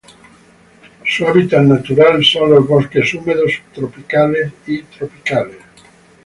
Su hábitat natural son los bosques húmedos subtropicales y tropicales.